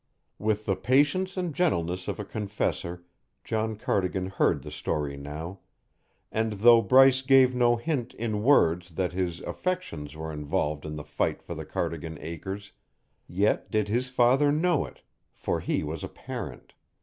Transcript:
With the patience and gentleness of a confessor John Cardigan heard the story now, and though Bryce gave no hint in words that his affections were involved in the fight for the Cardigan acres, yet did his father know It, for he was a parent.